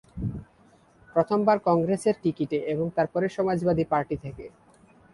প্রথমবার কংগ্রেসের টিকিটে এবং তারপরে সমাজবাদী পার্টি থেকে।